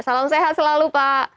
salam sehat selalu pak